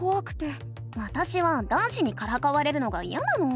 わたしは男子にからかわれるのがいやなの。